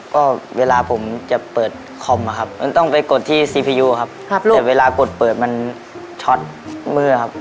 ก็เวลาผมจะเปิดคอมค์มาครับ